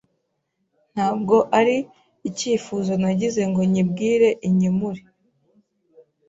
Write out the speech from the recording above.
ntabwo ari icyifuzo nagize ngo nyibwire inyimure.